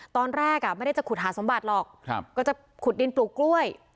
ตอนแรกไม่ได้จะขุดหาสมบัติหรอกก็จะขุดดินปลูกกล้วย